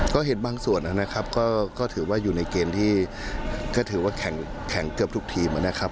ก็เห็นบางส่วนนะครับก็ถือว่าอยู่ในเกณฑ์ที่ก็ถือว่าแข็งเกือบทุกทีมนะครับ